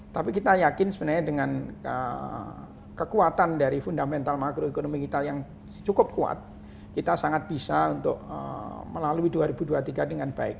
tapi kita yakin sebenarnya dengan kekuatan dari fundamental makroekonomi kita yang cukup kuat kita sangat bisa untuk melalui dua ribu dua puluh tiga dengan baik